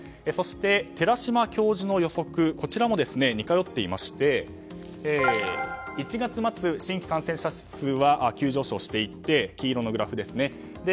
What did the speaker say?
そして寺嶋教授の予測も似通っていまして１月末、新規感染者数は急上昇していって黄色のグラフですね。